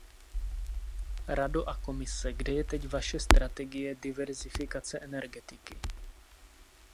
Rado a Komise, kde je teď vaše strategie diverzifikace energetiky?